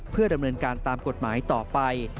เพื่อดำเนินการตามกฎหมายต่อไป